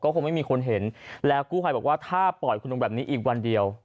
คงไม่มีคนเห็นแล้วกู้ภัยบอกว่าถ้าปล่อยคุณลุงแบบนี้อีกวันเดียว